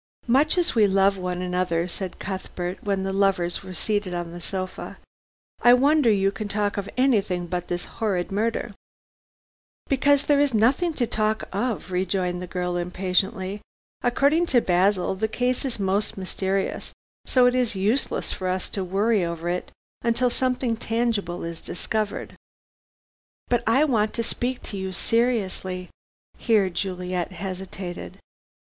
"Much as we love one another," said Cuthbert when the lovers were seated on the sofa. "I wonder you can talk of anything but this horrid murder." "Because there is nothing to talk of," rejoined the girl impatiently; "according to Basil, the case is most mysterious, so it is useless for us to worry over it until something tangible is discovered. But I want to speak to you seriously " here Juliet hesitated.